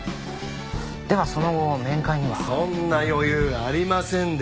ではその後面会には？そんな余裕ありませんでした。